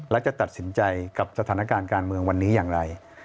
และจะตัดสินใจกับสถานการณ์การเมืองวันนี้อย่างไร